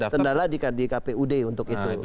kendala di kpud untuk itu